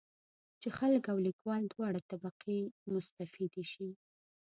چې خلک او لیکوال دواړه طبقې مستفیدې شي.